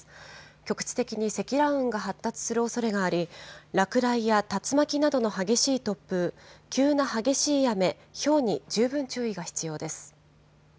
局地的に積乱雲が発達するおそれがあり、落雷や竜巻などの激しい突風、急な激しい雨、ひょうに十分注意が必要です。